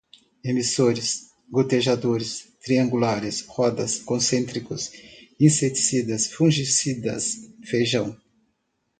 emissores, gotejadores, triangulares, rodas, concêntricos, inseticidas, fungicidas, feijão